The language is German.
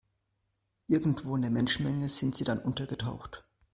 Irgendwo in der Menschenmenge sind sie dann untergetaucht.